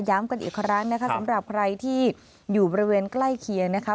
กันอีกครั้งนะคะสำหรับใครที่อยู่บริเวณใกล้เคียงนะคะ